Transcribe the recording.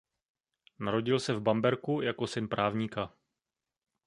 Narodil se v Bamberku jako syn právníka.